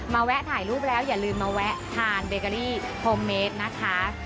แวะถ่ายรูปแล้วอย่าลืมมาแวะทานเบเกอรี่โฮมเมดนะคะ